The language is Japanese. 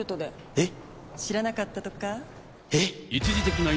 えっ⁉